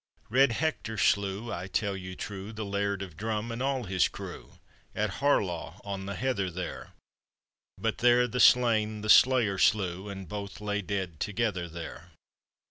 Red Hector slew, I tell you true, The laird of Drum, and all his crew, At Harlaw on the heather there; But there the slain the slayer slew, And both lay dead together there